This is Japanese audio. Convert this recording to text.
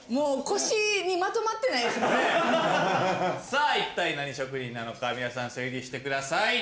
さあ一体何職人なのか皆さん推理してください。